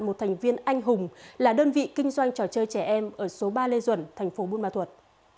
một thành viên anh hùng là đơn vị kinh doanh trò chơi trẻ em ở số ba lê duẩn thành phố buôn ma thuật